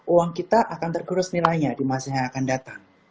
uang kita akan tergerus nilainya di masa yang akan datang